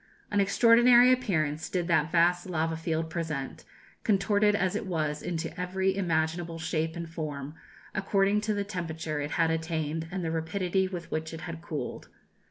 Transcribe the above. An extraordinary appearance did that vast lava field present, contorted as it was into every imaginable shape and form, according to the temperature it had attained and the rapidity with which it had cooled.